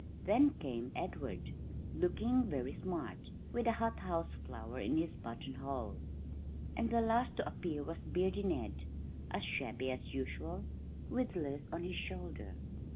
Then came Edward, looking very smart, with a hot house flower in his button hole; and the last to appear was Beardy Ned, as shabby as usual, with Liz on his shoulder.